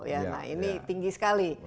nah ini tinggi sekali